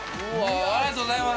ありがとうございます。